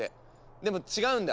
でも違うんだ。